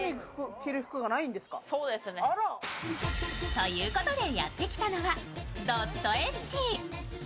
ということで、やってきたのはドットエスティ。